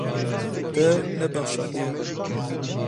Te nebexşandiye.